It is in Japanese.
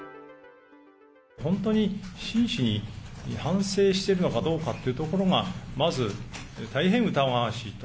本当に真摯に反省しているのかどうかっていうところが、まず大変疑わしいと。